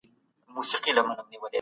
وضعي قوانین د انساني عقل تولید دی.